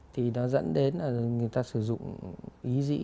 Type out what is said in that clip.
thì nó dẫn đến là người ta sử dụng ý dị